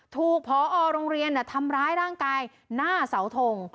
ถูกพอโรงเรียนทำร้ายร่างกายหน้าเสาทง